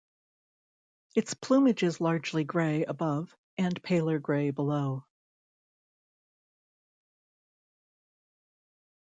Its plumage is largely grey above, and paler grey below.